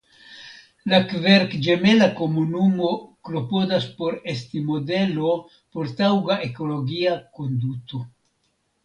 La kverkĝemela komunumo klopodas por esti modelo por taŭga ekologia konduto.